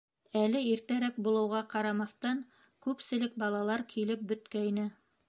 Әле иртәрәк булыуға ҡарамаҫтан, күпселек балалар килеп бөткәйне.